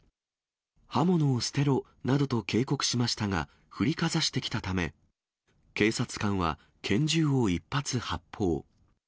刃物を捨てろなどと警告しましたが、振りかざしてきたため、警察官は拳銃を一発発砲。